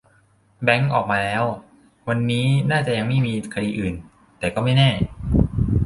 แบงค์ ออกมาแล้ว วันนี้น่าจะยังไม่มีคดีอื่น แต่ก็ไม่แน่